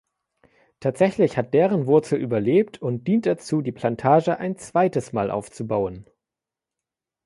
Tatsächlich hat deren Wurzel überlebt und dient dazu die Plantage ein zweites Mal aufzubauen.